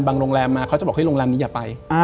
โรงแรมมาเขาจะบอกให้โรงแรมนี้อย่าไป